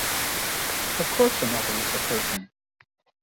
Of course a mother is a person!